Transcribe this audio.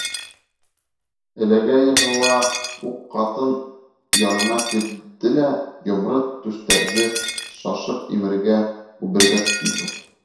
Эләгә-йығыла ул ҡатын янына килде лә, йомро түштәрҙе шашып имергә, үбергә тотондо.